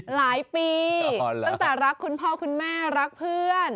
หลายปีตั้งแต่รักคุณพ่อคุณแม่รักเพื่อน